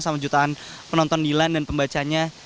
sama jutaan penonton dilan dan pembacanya